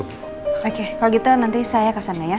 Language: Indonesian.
oke kalau gitu nanti saya kesana ya